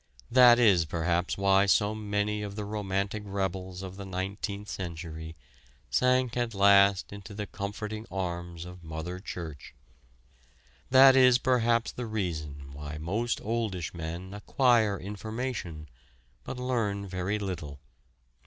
That is perhaps why so many of the romantic rebels of the Nineteenth Century sank at last into the comforting arms of Mother Church. That is perhaps the reason why most oldish men acquire information, but learn very little.